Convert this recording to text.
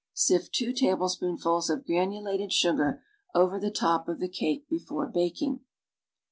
Sift two table spoonfuls of granulated sugar over the top of the cake before baking.